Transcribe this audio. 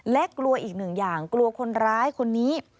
และกลัวอีกหนึ่งอย่างกลัวคนร้ายคนนี้